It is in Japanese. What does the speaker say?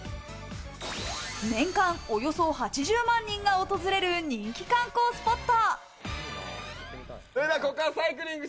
年間およそ８０万人が訪れる人気観光スポット。